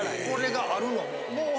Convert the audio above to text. これがあるのも。